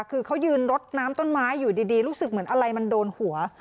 คือเขายืนรดน้ำต้นไม้อยู่ดีรู้สึกเหมือนอะไรมันโดนหัว